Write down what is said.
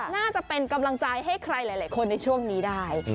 น่าจะเป็นกำลังใจให้ใครหลายคนในช่วงนี้ได้